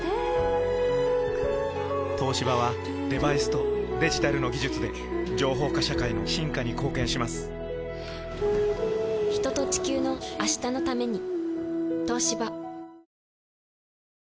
東芝はデバイスとデジタルの技術で情報化社会の進化に貢献します人と、地球の、明日のために。